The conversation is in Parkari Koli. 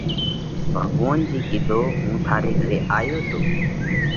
ڀڳوونَ جِي ڪِيڌو: هُون ٿاري گھري آيو تو۔